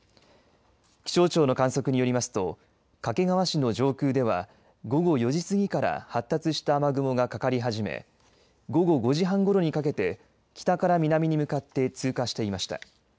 気象庁の観測によりますと掛川市の上空では午後４時過ぎから発達した雨雲がかかり始め午後５時半ごろにかけて北から南に向かって通過していました。